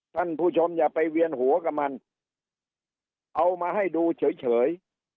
ท่านผู้ชมอย่าไปเวียนหัวกับมันเอามาให้ดูเฉย